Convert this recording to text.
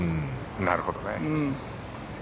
なるほどね。